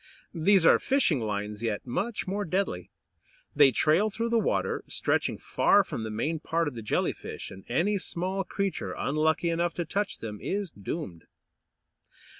These are fishing lines, yet much more deadly. They trail through the water, stretching far from the main part of the Jelly fish; and any small creature unlucky enough to touch them is doomed.